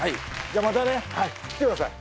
じゃあまたね来てください